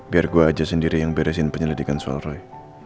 biar gue aja sendiri yang beresin penyelidikan soal roy